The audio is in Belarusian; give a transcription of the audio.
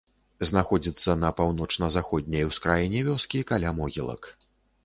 Знаходзіцца на паўночна-заходняй ускраіне вёскі, каля могілак.